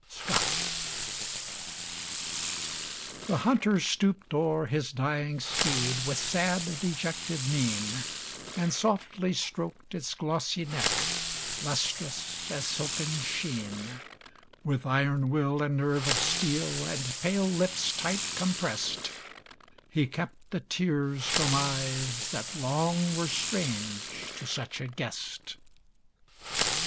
Scott The Hunter stooped o'er his dying steed With sad dejected mien, And softly stroked its glossy neck, Lustrous as silken sheen; With iron will and nerve of steel, And pale lips tight compressed, He kept the tears from eyes that long Were strange to such a guest.